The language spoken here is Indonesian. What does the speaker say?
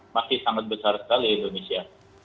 masih sangat besar sekali indonesia